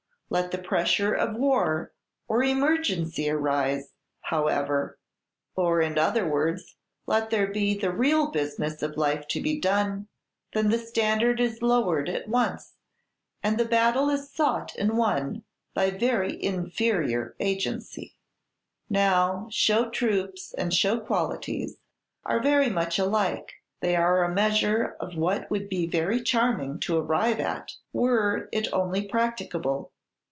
Let the pressure of war or emergency arise, however, or, in other words, let there be the real business of life to be done, then the standard is lowered at once, and the battle is sought and won by very inferior agency. Now, show troops and show qualities are very much alike; they are a measure of what would be very charming to arrive at, were it only practicable!